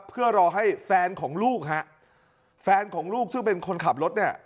เพื่อรอให้แฟนของลูกฮะแฟนของลูกซึ่งเป็นคนขับรถเนี่ย